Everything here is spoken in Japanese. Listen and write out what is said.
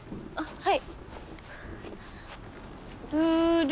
はい。